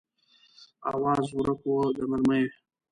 آواز ورک و د مرمیو